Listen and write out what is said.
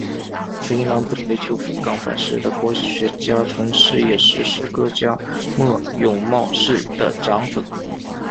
纯一郎作为旧福冈藩士的国学家同是也是诗歌家末永茂世的长子。